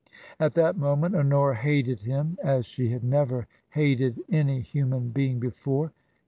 At that moment Honora hated him as she had never hated any human being before.